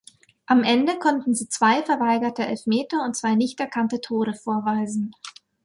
Am Ende konnten sie zwei verweigerte Elfmeter und zwei nicht anerkannte Tore vorweisen.